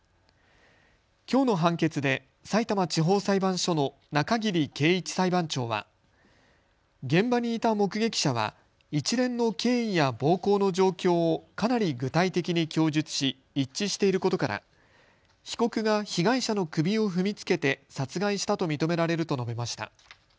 きょうの判決でさいたま地方裁判所の中桐圭一裁判長は現場にいた目撃者は一連の経緯や暴行の状況をかなり具体的に供述し一致していることから被告が被害者の首を踏みつけて殺害したと認められると述べました。